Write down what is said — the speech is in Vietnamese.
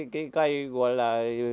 cái cây gọi là